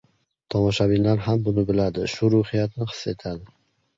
Tomoshabinlar ham buni biladi, shu ruhiyatni his etadi.